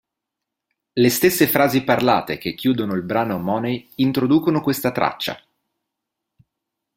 Le stesse frasi parlate che chiudono il brano Money introducono questa traccia.